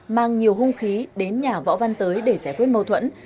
mang nhiều hung khí đến nhà võ văn tới để giải quyết mâu thuẫn